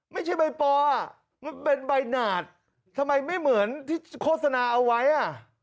ไม่ใช่ใบปออ่ะมันเป็นใบหนาดทำไมไม่เหมือนที่โฆษณาเอาไว้อ่ะ